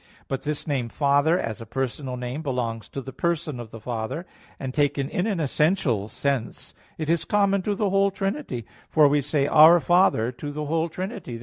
But this name "Father" as a personal name, belongs to the person of the Father; and taken in an essential sense it is common to the whole Trinity; for we say "Our Father" to the whole Trinity.